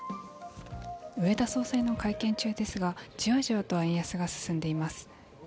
植田総裁の会見中ですがじわじわと円安が進んでいます。